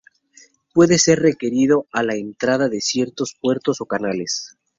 Puede ser requerido a la entrada de ciertos puertos o canales.